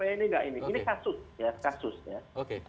ini kasus ya kasus ya